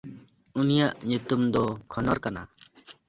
ᱩᱱᱤᱭᱟᱜ ᱧᱩᱛᱩᱢ ᱫᱚ ᱠᱷᱚᱱᱚᱨ ᱠᱟᱱᱟ᱾